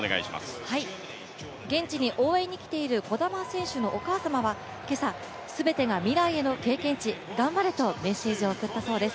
現地に応援に来ている児玉選手のお母様は今朝、全てが未来への経験値、頑張れとメッセージを送ったそうです。